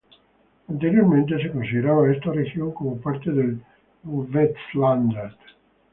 Anteriormente, se consideraba a esta región como parte del Vestlandet.